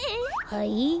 はい？